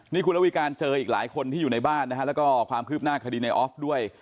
นี่คุณระวิการเจออีกหลายคนที่อยู่ในบ้านนะฮะแล้วก็ความคืบหน้าคดีในออฟด้วย